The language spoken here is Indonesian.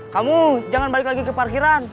kamu jangan balik lagi ke parkiran